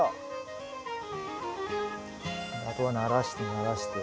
あとはならしてならして。